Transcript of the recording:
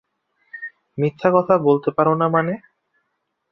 মিথ্য কথা বলতে পার না মানে?